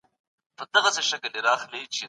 ته به زمــا د زړه دنــيـا ورانــــه كـــــــــړې